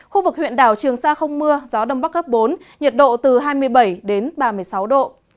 khu vực huyện đảo trường sa không mưa gió đông bắc cấp bốn nhiệt độ từ hai mươi bảy đến ba mươi sáu độ